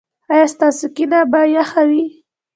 ایا ستاسو کینه به یخه وي؟